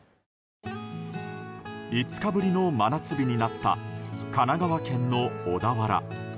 ５日ぶりの真夏日になった神奈川県の小田原。